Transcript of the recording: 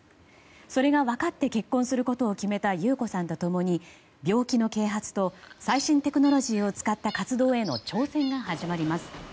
それが分かって結婚することを決めた木綿子さんと共に病気の啓発と最新テクノロジーを使った活動への挑戦が始まります。